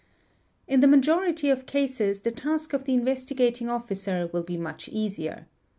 | In the majority of cases the task of the Investigating Officer will be — much easier.